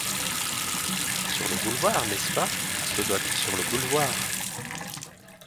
Sur le boulevard, n’est-ce pas? ce doit être sur le boulevard ?